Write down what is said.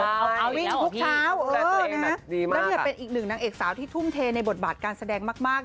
เอาอีกแล้วออกที่ดูแลตัวเองแบบดีมากค่ะแล้วเนี่ยเป็นอีกหนึ่งนางเอกสาวที่ทุ่มเทในบทบาทการแสดงมาก